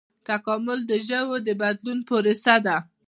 تکامل د ژویو د بدلون پروسه ده